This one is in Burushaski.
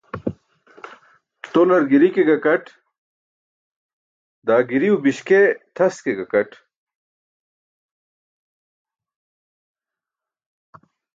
Tolar giri ke gakat, daa giriw biśkee tʰas ke gakaṭ.